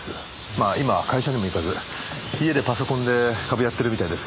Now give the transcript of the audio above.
まあ今は会社にも行かず家でパソコンで株やってるみたいですけども。